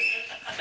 え？